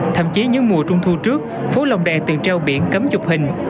thậm chí những mùa trung thu trước phố lồng đèn từng treo biển cấm chụp hình